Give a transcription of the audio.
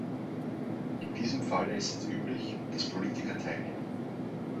In diesem Falle ist es üblich, dass Politiker teilnehmen.